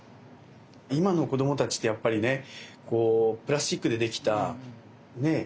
今の子供たちってやっぱりねこうプラスチックでできたねえ